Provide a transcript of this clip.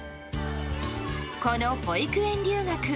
この保育園留学